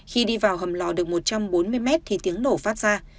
khi đi vào hầm lò được một trăm bốn mươi mét thì tiếng nổ phát ra